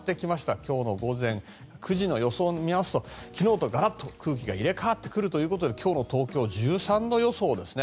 今日の午前９時の予想を見ますと昨日とがらっと空気が入れ替わってくるということで今日の東京、１３度予想ですね。